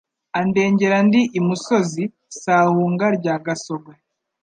Andengera ndi i musozi Sahunga rya Gasogwe,